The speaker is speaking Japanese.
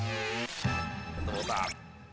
どうだ？